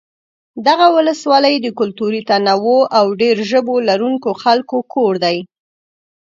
دغه ولسوالۍ د کلتوري تنوع او ډېر ژبو لرونکو خلکو کور دی.